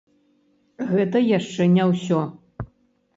Гэта яшчэ не ўсё!